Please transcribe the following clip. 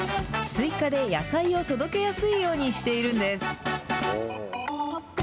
追加で野菜を届けやすいようにしているんです。